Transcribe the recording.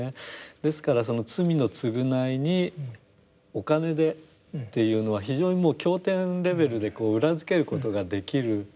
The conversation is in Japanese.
ですからその罪の償いにお金でっていうのは非常にもう経典レベルでこう裏付けることができる。